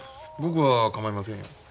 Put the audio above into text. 僕は構いませんよ。